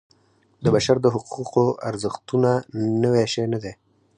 د بشر د حقونو ارزښتونه نوی شی نه دی.